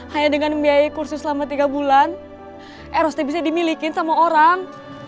hanya dengan biaya kursi selama tiga bulan eros teh bisa dimilikin sama orang